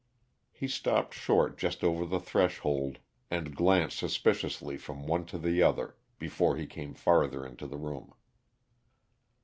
He stopped short just over the threshold, and glanced suspiciously from one to the other before he came farther into the room.